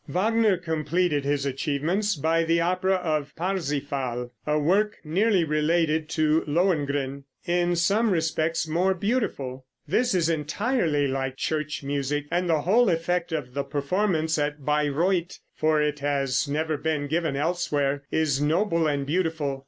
Wagner completed his achievements by the opera of "Parsifal" a work nearly related to "Lohengrin" in some respects more beautiful. This is entirely like church music, and the whole effect of the performance at Bayreuth, for it has never been given elsewhere is noble and beautiful.